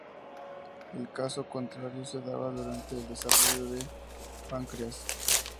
El caso contrario se da durante el desarrollo del páncreas.